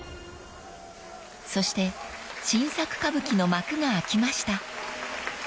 ［そして新作歌舞伎の幕が開きました］